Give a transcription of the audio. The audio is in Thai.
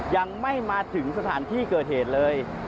ยังไม่มาถึงสถานที่เกิดเหตุเลย